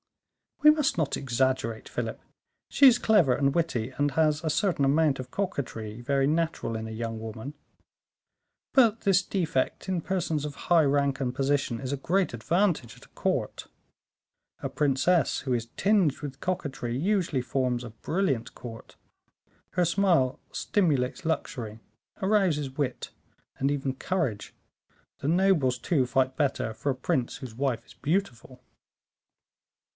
"We must not exaggerate, Philip; she is clever and witty, and has a certain amount of coquetry very natural in a young woman; but this defect in persons of high rank and position, is a great advantage at a court. A princess who is tinged with coquetry usually forms a brilliant court; her smile stimulates luxury, arouses wit, and even courage; the nobles, too, fight better for a prince whose wife is beautiful."